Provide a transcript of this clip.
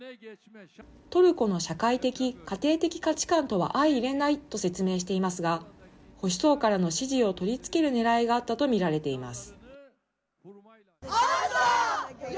トルコの社会的・家庭的価値観とは相いれないと説明していますが、保守層からの支持を取り付けるねらいがあったと見られています。